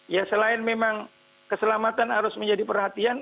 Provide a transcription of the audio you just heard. ya selain memang keselamatan harus menjadi perhatian